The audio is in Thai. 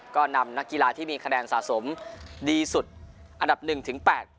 ก็นำนักกีฬาที่มีคะแนนสะสมดีสุดอันดับหนึ่งถึงแปด